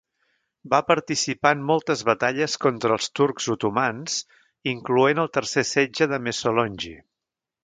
Va participar en moltes batalles contra els turcs otomans incloent el tercer Setge de Mesolongi.